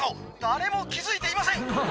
誰も気付いていません」